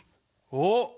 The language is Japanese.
おっ！